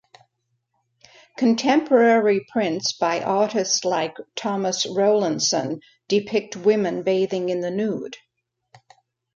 Contemporary prints by artists like Thomas Rowlandson depict women bathing in the nude.